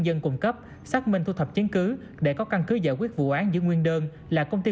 dân cung cấp xác minh thu thập chứng cứ để có căn cứ giải quyết vụ án giữ nguyên đơn là công ty